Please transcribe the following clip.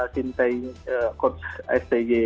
sintai kots sdg